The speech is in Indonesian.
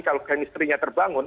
kalau kemisterinya terbangun